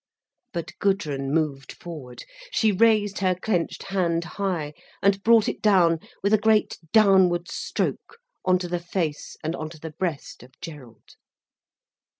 But Gudrun moved forward. She raised her clenched hand high, and brought it down, with a great downward stroke on to the face and on to the breast of Gerald.